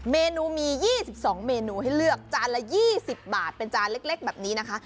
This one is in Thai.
เมนูมี๒๒เมนูให้เลือกจานละ๒๐บาทเป็นจานเล็กแบบนี้นะคะ